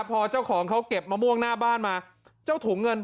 พอเจ้าของเขาเก็บมะม่วงหน้าบ้านมาเจ้าถุงเงิน